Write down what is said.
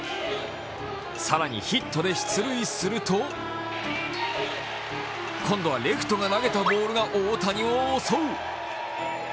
更にヒットで出塁すると、今度はレフトが投げたボールが大谷を襲う。